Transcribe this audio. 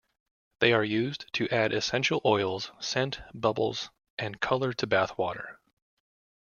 They are used to add essential oils, scent, bubbles and color to bathwater.